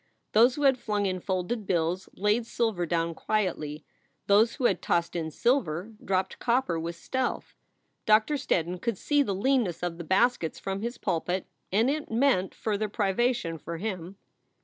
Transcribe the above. Those who had flung in folded bills laid silver down quietly. Those who had tossed in silver dropped copper with stealth. Doctor Steddon could see the leanness of the baskets from his pulpit, and it meant further privation for him.